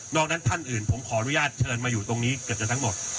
อกนั้นท่านอื่นผมขออนุญาตเชิญมาอยู่ตรงนี้เกือบจะทั้งหมด